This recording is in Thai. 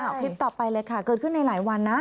คลิปต่อไปเลยค่ะเกิดขึ้นในหลายวันนะ